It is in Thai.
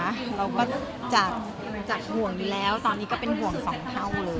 เราก็จากห่วงอยู่แล้วตอนนี้ก็เป็นห่วงสองเท่าเลย